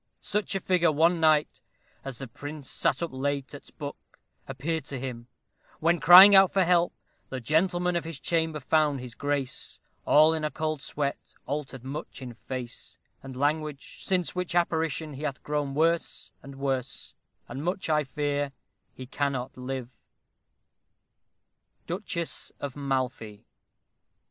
Such a figure One night, as the prince sat up late at 's book, Appeared to him; when, crying out for help, The gentleman of his chamber found his Grace All in a cold sweat, altered much in face And language, since which apparition He hath grown worse and worse, and much I fear He cannot live. _Duchess of Malfy.